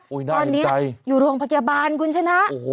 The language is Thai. โอ๊ยน่าเย็นใจตอนนี้อยู่โรงพักยาบาลคุณฉะนั้นโอ้โฮ